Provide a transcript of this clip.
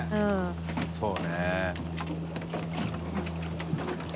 そうね。